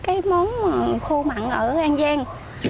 cái món khô mặn ở an giang